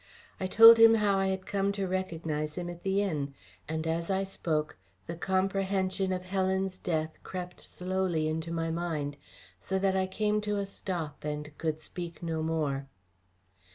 I told him how I had come to recognise him at the inn; and as I spoke the comprehension of Helen's death crept slowly into my mind, so that I came to a stop and could speak no more.